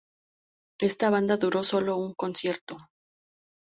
Esta banda duró solo un concierto.